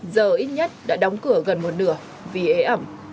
giờ ít nhất đã đóng cửa gần một nửa vì ế ẩm